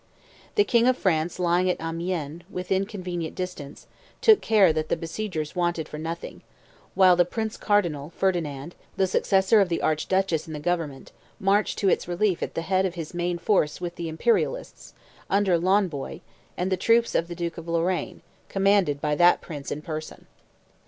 The King of France lying at Amiens, within convenient distance, took care that the besiegers wanted for nothing; while the Prince Cardinal, Ferdinand, the successor of the Archduchess in the government, marched to its relief at the head of his main force with the Imperialists, under Launboy, and the troops of the Duke of Lorrain, commanded by that Prince in person.